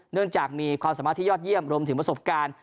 เนื่องจากมีความสามารถที่ยอดเยี่ยมรวมถึงประสบการณ์